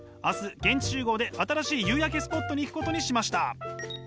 明日現地集合で新しい夕焼けスポットに行くことにしました。